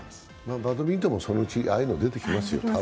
バドミントンもそのうちああいうのが出てきますよ。